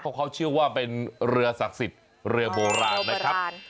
เพราะเขาเชื่อว่าเป็นเรือศักดิ์สิทธิ์เรือโบราณนะครับ